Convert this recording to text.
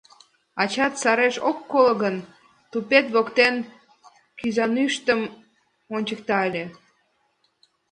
Ачат сареш ок коло гын, тупет воктен кӱзанӱштым ончыкта ыле.